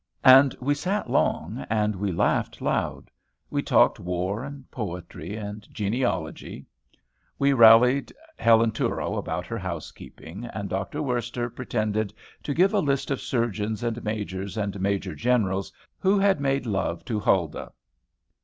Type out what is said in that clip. And we sat long; and we laughed loud. We talked war and poetry and genealogy. We rallied Helen Touro about her housekeeping; and Dr. Worster pretended to give a list of Surgeons and Majors and Major Generals who had made love to Huldah.